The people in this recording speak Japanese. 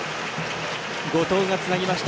後藤がつなぎました。